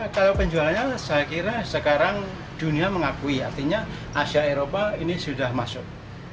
kalau penjualannya saya kira sekarang dunia mengakui artinya asia eropa ini sudah masuk